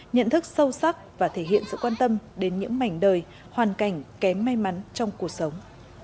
nhận thức sâu sắc và thể hiện sự quan tâm đến những mảnh đời hoàn cảnh kém may mắn trong cuộc sống